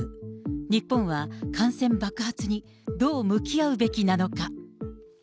日本は感染爆発にどう向き合うべきなのか。